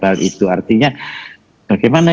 hal itu artinya bagaimana